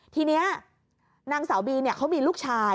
ทีนี้นางสาวบีเขามีลูกชาย